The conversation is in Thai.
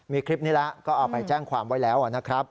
มีคลิปนี้แล้วก็เอาไปแจ้งความไว้แล้วนะครับ